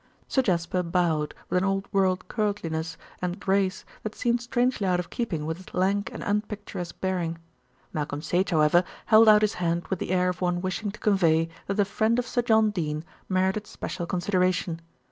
Sir Jasper bowed with an old world courtliness and grace that seemed strangely out of keeping with his lank and unpicturesque bearing. Malcolm Sage, however, held out his hand with the air of one wishing to convey that a friend of Sir John Dene merited special consideration.